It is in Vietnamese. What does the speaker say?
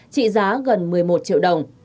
trị giá gần một mươi một triệu đồng